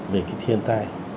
về cái thiên tai